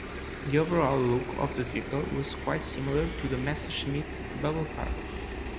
The overall look of the vehicle was quite similar to the Messerschmitt bubble car.